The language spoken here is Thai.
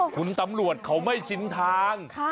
คุณตำรวจเขาไม่ชินทาง